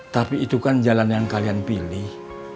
tapi itu kan jalan yang kalian pilih